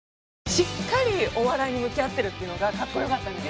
しっかりお笑いに向き合ってるっていうのがかっこよかった。